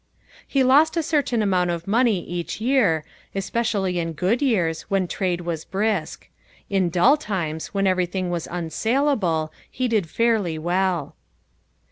He lost a certain amount of money each year, especially in good years when trade was brisk. In dull times when everything was unsalable he did fairly well.